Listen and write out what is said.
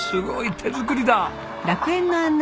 手作りだ。